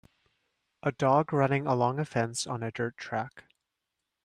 A dog running along a fence on a dirt track.